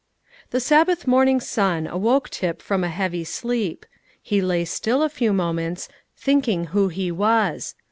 The Sabbath morning sun awoke Tip from a heavy sleep. He lay still a few moments, thinking who he was.